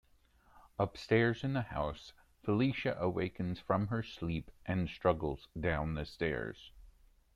Upstairs in the house, Felicia awakens from her sleep and struggles down the stairs.